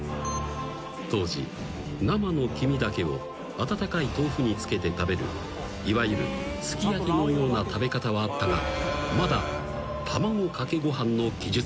［当時生の黄身だけを温かい豆腐につけて食べるいわゆるすき焼きのような食べ方はあったがまだ］